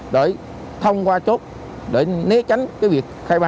để thông qua chốt để né tránh việc